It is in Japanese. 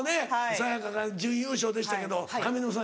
さや香が準優勝でしたけど上沼さん